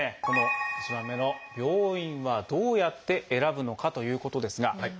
この１番目の「病院はどうやって選ぶのか？」ということですが。